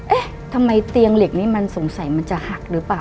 เอ๊ะทำไมเตียงเหล็กนี้มันสงสัยมันจะหักหรือเปล่า